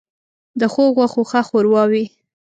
ـ د ښو غوښو ښه ښوروا وي.